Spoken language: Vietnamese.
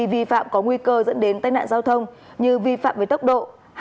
các hành vi vi phạm có nguy cơ dẫn đến tai nạn giao thông như vi phạm về tốc độ